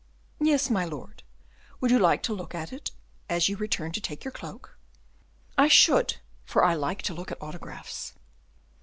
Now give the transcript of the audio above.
"Yes, my lord; would you like to look at it as you return to take your cloak?" "I should, for I like to look at autographs."